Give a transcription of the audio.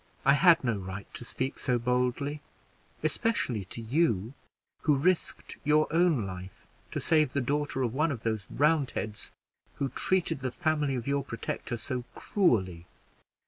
I had no right to speak so boldly, especially to you, who risked your own life to save the daughter of one of those Roundheads who treated the family of your protector so cruelly.